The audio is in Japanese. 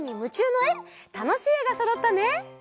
たのしいえがそろったね！